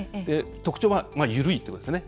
特徴は緩いということですね。